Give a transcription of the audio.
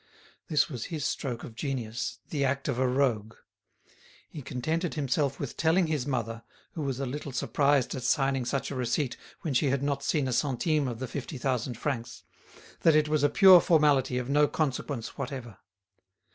This was his stroke of genius, the act of a rogue. He contented himself with telling his mother, who was a little surprised at signing such a receipt when she had not seen a centime of the fifty thousand francs, that it was a pure formality of no consequence whatever.